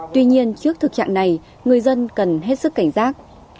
tuy nhiên trước thực trạng này người dân cần hết sức cảnh giác